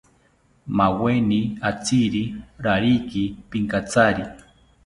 Maweni atziri rakiri pinkatsari